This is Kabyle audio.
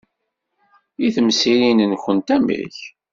I temsirin-nwent, amek?